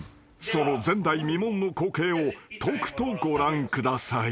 その前代未聞の光景をとくとご覧ください］